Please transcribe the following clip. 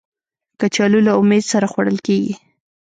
کچالو له امید سره خوړل کېږي